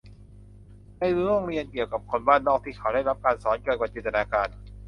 ในรั้วโรงเรียนเกี่ยวกับคนบ้านนอกที่เขาได้รับการสอนเกินกว่าจินตนาการ